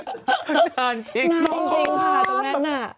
นานจริงค่ะ